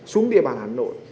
xuống địa bàn hà nội